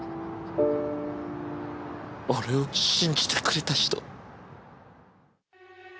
俺を信じてくれた人を。